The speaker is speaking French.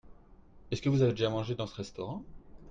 Est-ce que vous avez déjà mangé dans ce restaurant ?